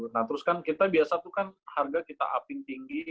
nah terus kan kita biasa tuh kan harga kita upin tinggi